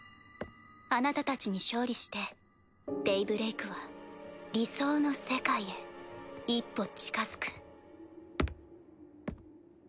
あなたたちに勝利してデイブレイクは理想の世界へ一歩近づく。